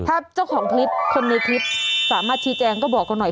ถ้าเจ้าของคลิปคนในคลิปสามารถชี้แจงก็บอกเราหน่อย